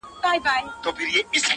• د زړگي ښار ته مي لړم د لېمو مه راوله؛